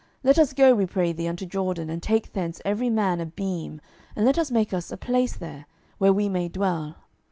12:006:002 Let us go, we pray thee, unto Jordan, and take thence every man a beam, and let us make us a place there, where we may dwell.